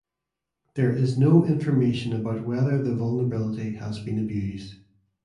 There is no information about whether the vulnerability has been abused.